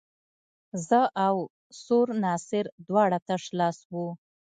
زه او سور ناصر دواړه تش لاس وو.